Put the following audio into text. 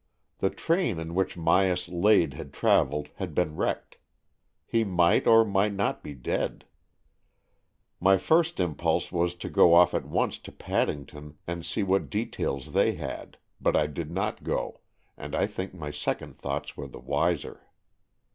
The train in which Myas Lade had travelled had been wrecked. He might or might not be dead. My first impulse was to go off at once to Paddington and see what details they had, but I did not go, and I think my second thoughts were the wiser.